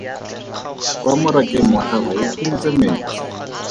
Kwa morakeng wa gagwe o phuntse metsi.